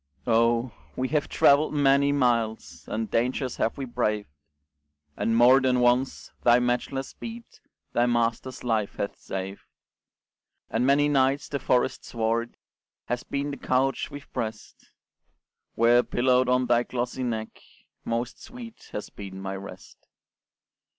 Oh! we have travelled many miles, And dangers have we braved; And more than once thy matchless speed Thy master's life hath saved; And many nights the forest sward Has been the couch we've pressed, Where, pillowed on thy glossy neck, Most sweet has been my rest.